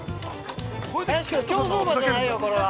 林君、競走馬じゃないよ、これは。